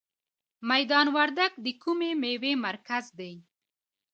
میدان وردګ د کومې میوې مرکز دی؟